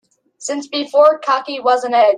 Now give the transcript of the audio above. Since before cocky was an egg.